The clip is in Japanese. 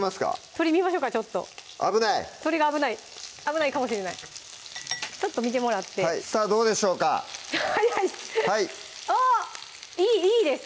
鶏見ましょうかちょっと危ない鶏が危ない危ないかもしれないちょっと見てもらってさぁどうでしょうかあっいいです